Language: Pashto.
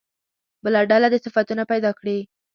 بله ډله دې صفتونه پیدا کړي.